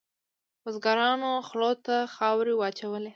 بزګرانو خولو ته خاورې واچولې.